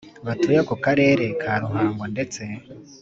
Batuye ako karere ka ruhango ndetse